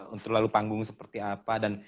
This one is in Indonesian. untuk lalu panggung seperti apa dan